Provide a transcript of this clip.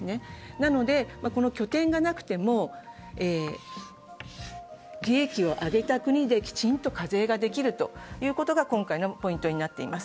なのでこの拠点がなくても利益を上げた国できちんと課税ができることが今回のポイントになっています。